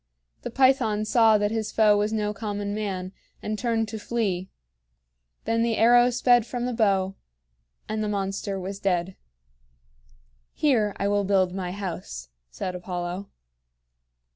The Python saw that his foe was no common man, and turned to flee. Then the arrow sped from the bow and the monster was dead. "Here I will build my house," said Apollo.